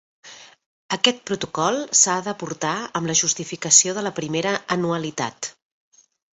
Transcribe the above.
Aquest protocol s'ha d'aportar amb la justificació de la primera anualitat.